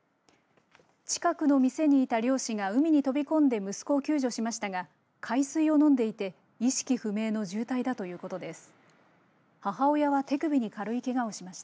近くの店にいた漁師が海に飛び込んで息子を救助しましたが海水を飲んでいて意識不明の重体だということです。